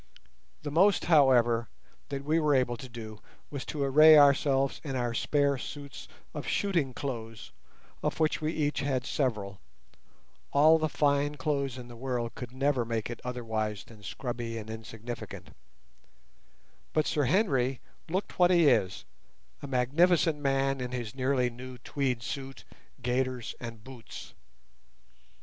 The most, however, that we were able to do was to array ourselves in our spare suits of shooting clothes, of which we each had several, all the fine clothes in the world could never make it otherwise than scrubby and insignificant; but Sir Henry looked what he is, a magnificent man in his nearly new tweed suit, gaiters, and boots.